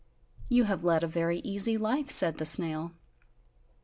"You have led a very easy life!" said the snail.